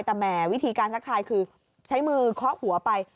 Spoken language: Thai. แต่แหมวิธีการทักทายคือใช้มือเคาะหัวไป